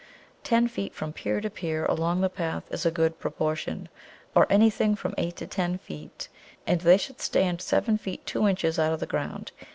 Ten feet from pier to pier along the path is a good proportion, or anything from eight to ten feet, and they should stand seven feet two inches out of the ground.